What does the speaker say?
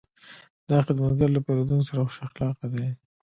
دا خدمتګر له پیرودونکو سره خوش اخلاقه دی.